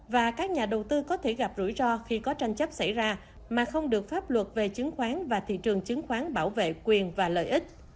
và các nhà đầu tư có thể gặp rủi ro khi có tranh chấp xảy ra mà không được pháp luật về chứng khoán và thị trường chứng khoán bảo vệ quyền và lợi ích